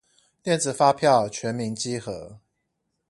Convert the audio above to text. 電子發票全民稽核